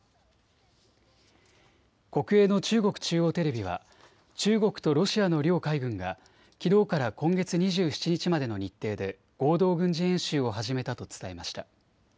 国営の中国中央テレビは中国とロシアの両海軍がきのうから今月２７日までの日程で合同軍事演習を始めたと伝えました。